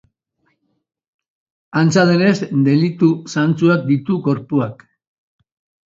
Antza denez, delitu zantzuak ditu gorpuak.